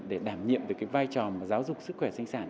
để đảm nhiệm được cái vai trò mà giáo dục sức khỏe sinh sản